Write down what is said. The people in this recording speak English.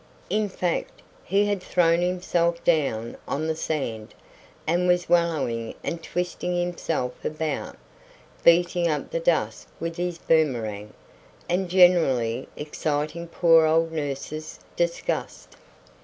In fact, he had thrown himself down on the sand, and was wallowing and twisting himself about, beating up the dust with his boomerang, and generally exciting poor old nurse's disgust.